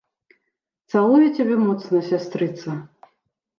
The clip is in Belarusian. Цалую цябе моцна, сястрыца.